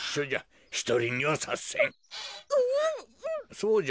そうじゃ。